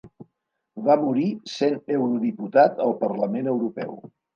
Va morir sent eurodiputat al Parlament Europeu.